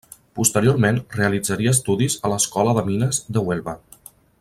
Posteriorment realitzaria estudis a l'Escola de Mines de Huelva.